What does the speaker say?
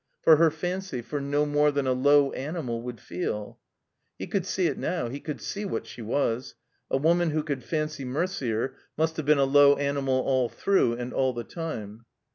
For her fancy, for no more than a low animal wotild feel. He could see it now. He could see what she was. A woman who could fancy Mercier must have been a low animal all through and all the time.